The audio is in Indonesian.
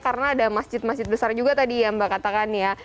karena ada masjid masjid besar juga tadi yang mbak katakan ya